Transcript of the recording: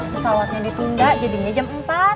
pesawatnya ditunda jadinya jam empat